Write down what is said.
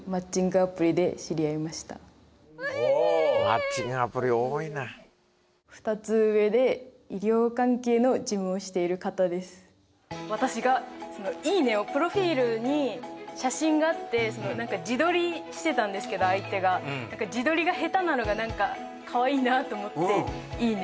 アプリ多いな私がその「いいね」をプロフィールに写真があって自撮りしてたんですけど相手が自撮りが下手なのが何かかわいいなと思って「いいね」